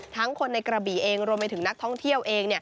คนในกระบี่เองรวมไปถึงนักท่องเที่ยวเอง